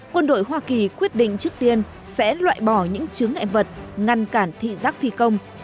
quân đội hoa kỳ quyết định trước tiên sẽ loại bỏ những chứng ngại vật ngăn cản thị giác phi công